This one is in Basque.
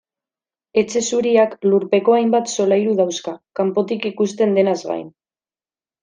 Etxe Zuriak lurpeko hainbat solairu dauzka, kanpotik ikusten denaz gain.